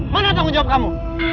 mana tanggung jawab kamu